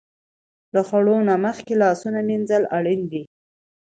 د خوړو نه مخکې لاسونه مینځل اړین دي.